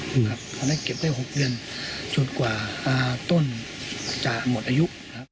เขาได้เก็บได้๖เดือนจนกว่าต้นจะหมดอายุ